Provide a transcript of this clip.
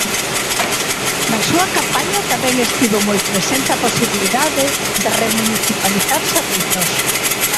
Na súa campaña tamén estivo moi presente a posibilidade de remunicipalizar servizos.